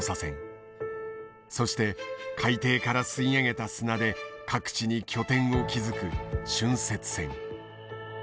そして海底から吸い上げた砂で各地に拠点を築く浚渫船。